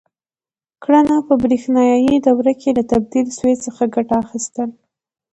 کړنه: په برېښنایي دوره کې له تبدیل سویچ څخه ګټه اخیستل: